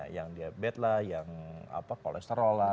yang diabetes lah yang kolesterol lah